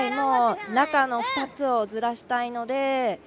中の２つをずらしたいので。